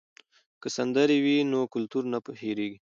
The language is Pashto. که سندرې وي نو کلتور نه هېریږي.